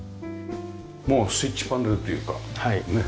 もうスイッチパネルというかね